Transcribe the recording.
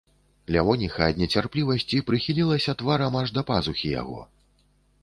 Лявоніха ад нецярплівасці прыхілілася тварам аж да пазухі яго.